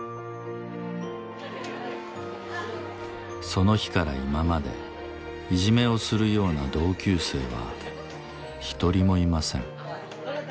その日から今までいじめをするような同級生は一人もいません。